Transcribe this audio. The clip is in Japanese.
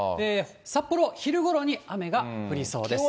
札幌、昼頃に雨が降りそうです。